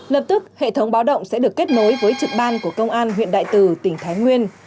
lập tức hệ thống báo động sẽ được kết nối với trực ban của công an huyện đại từ tỉnh thái nguyên